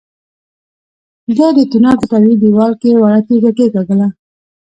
ده د تونل په طبيعي دېوال کې وړه تيږه کېکاږله.